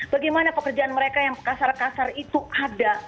bagaimana pekerjaan mereka yang kasar kasar itu ada